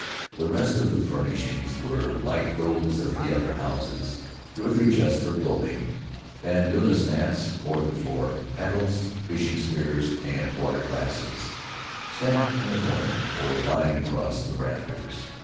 The rest of the furnishings were like those of the other houses — two or three chests for clothing; pandanus mats for the floor; paddles, fishing spears, and water glasses stacked in a corner or lying across the rafters.